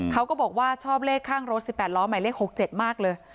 เขาก็บอกว่าชอบเลขข้างรถ๑๘ล้อหมายเลข๖๗มากเลย